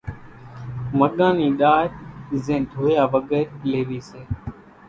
مڳان ني ڏار زين ڌويا وڳرِ ليوي سي